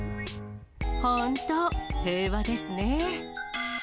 本当、平和ですね。